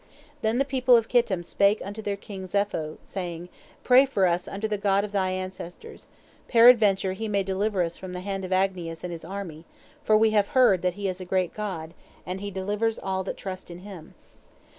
Then the people of Kittim spake to their king Zepho, saying: "Pray for us unto the God of thy ancestors. Peradventure He may deliver us from the hand of Agnias and his army, for we have heard that He is a great God, and He delivers all that trust in Him."